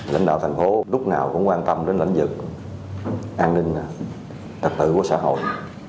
lãnh đạo thành phố lúc nào cũng quan tâm đến lãnh vực an ninh thật tự của xã hội